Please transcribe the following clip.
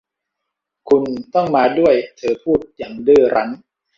คุณต้องมาด้วยเธอพูดอย่างดื้อรั้น